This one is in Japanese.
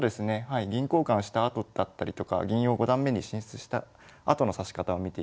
銀交換したあとだったりとか銀を五段目に進出したあとの指し方を見ていきたいと思います。